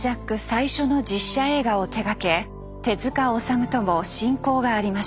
最初の実写映画を手がけ手治虫とも親交がありました。